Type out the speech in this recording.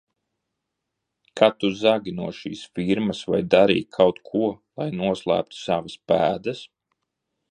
Kad tu zagi no šīs firmas, vai darīji kaut ko, lai noslēptu savas pēdas?